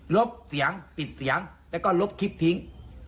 ลบเสียงปิดเสียงแล้วก็ลบคลิปทิ้ง